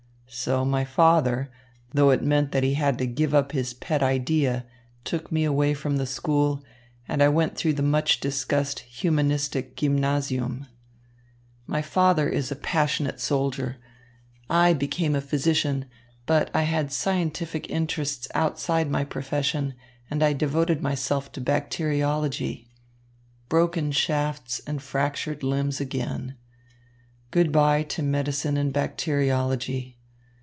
So my father, though it meant that he had to give up his pet idea, took me away from the school, and I went through the much discussed humanistic Gymnasium. My father is a passionate soldier. I became a physician, but I had scientific interests outside of my profession, and I devoted myself to bacteriology. Broken shafts and fractured limbs again. Good bye to medicine and bacteriology.